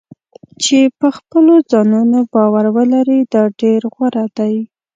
چې په خپلو ځانونو باور ولري دا ډېر غوره دی.